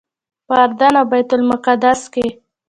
په اردن او بیت المقدس کې.